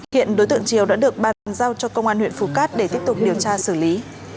hiện đối tượng triều đã được bàn giao cho công an huyện phù cát để tiếp tục điều tra xử lý